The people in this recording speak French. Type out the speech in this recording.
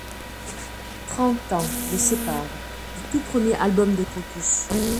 Trente ans le sépare du tout premier album de Krokus.